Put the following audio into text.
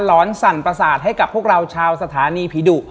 อนสั่นประสาทให้กับพวกเราชาวสถานีผีดุ